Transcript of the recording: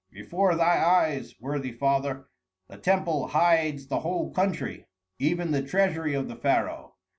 "Before thy eyes, worthy father, the temple hides the whole country, even the treasury of the pharaoh.